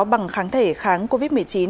bằng kháng thể kháng covid một mươi chín